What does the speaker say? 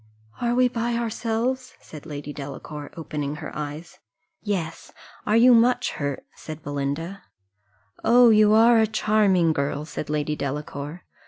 "Are we by ourselves?" said Lady Delacour, opening her eyes. "Yes are you much hurt?" said Belinda. "Oh, you are a charming girl!" said Lady Delacour.